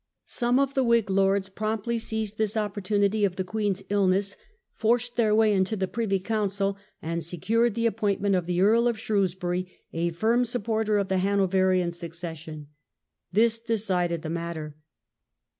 Some of the Whig lords promptly seized this opportunity of the Queen's illness, forced their way into the Privy Council, and secured the appointment of the Earl of Shrewsbury, a firm supporter of the Hano verian succession. This decided the matter.